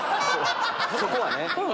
そこはね。